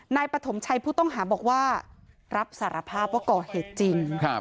ปฐมชัยผู้ต้องหาบอกว่ารับสารภาพว่าก่อเหตุจริง